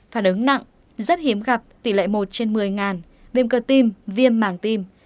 phản ứng nặng rất hiếm gặp tỷ lệ một trên một mươi viêm cơ tim viêm mảng tim